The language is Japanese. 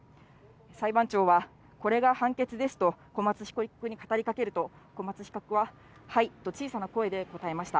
裁判長は、これが判決ですと、小松被告に語りかけると、小松被告は、はいと、小さな声で答えました。